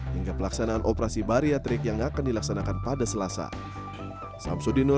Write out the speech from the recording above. hingga pelaksanaan operasi bariatrik yang akan dilaksanakan pada selasa